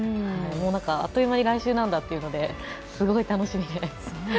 あっという間に来週なんだっていうのですごい楽しみ。